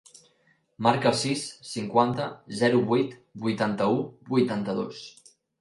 Marca el sis, cinquanta, zero, vuit, vuitanta-u, vuitanta-dos.